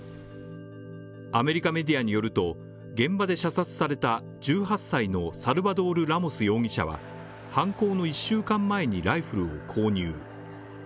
アメリカメディアによると、現場で射殺された１８歳のサルバドール・ラモス容疑者は、犯行の１週間前にライフルを購入。